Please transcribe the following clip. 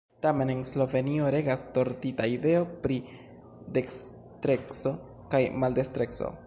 Tamen en Slovenio regas tordita ideo pri dekstreco kaj maldekstreco.